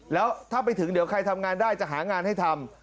แล้วถ้าไปถึงเดี๋ยวใครทำงานได้จะหางานให้ทำ